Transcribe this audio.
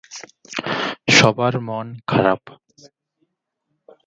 সবার মন খারাপ।